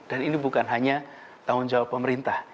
dan ini bukan hanya tanggung jawab pemerintah